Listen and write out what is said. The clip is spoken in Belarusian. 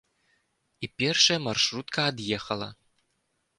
І першая маршрутка ад'ехала.